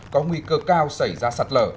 có nguy cơ cao xảy ra sạt lở